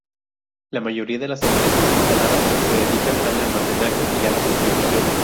La mayoría de las empresas instaladas se dedican al almacenaje y a la distribución.